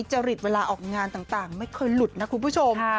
จริตเวลาออกงานต่างไม่เคยหลุดนะคุณผู้ชม